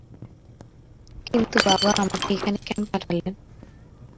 কিন্তু, বাবা আমাকে এখানে কেন পাঠাইলেন।